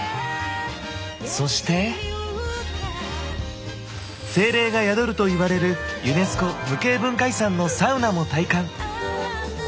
そして精霊が宿るといわれるユネスコ無形文化遺産のサウナも体感！